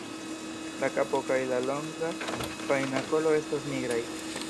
La kapo kaj la longa, fajna kolo estas nigraj.